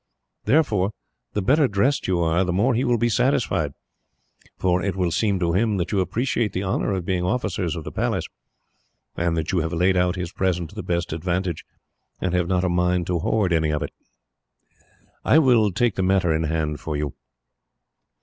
Therefore, the better dressed you are, the more he will be satisfied, for it will seem to him that you appreciate the honour of being officers of the Palace, and that you have laid out his present to the best advantage, and have not a mind to hoard any of it. "I will take the matter in hand for you.